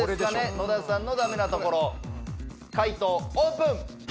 野田さんのダメなところ回答オープン！